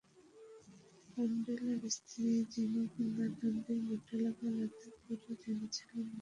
ম্যান্ডেলার স্ত্রী, যিনি কিংবদন্তির ম্যান্ডেলাকে আলাদা করে জেনেছিলেন ব্যক্তি ম্যান্ডেলা হিসেবে।